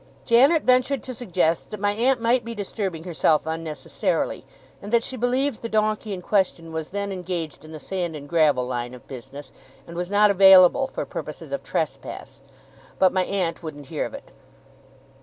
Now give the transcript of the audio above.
Janet ventured to suggest that my aunt might be disturbing herself unnecessarily, and that she believed the donkey in question was then engaged in the sand and gravel line of business, and was not available for purposes of trespass. But my aunt wouldn't hear of it.